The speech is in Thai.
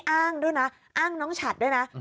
อ้างด้วยนะอ้างน้องฉัดด้วยนะ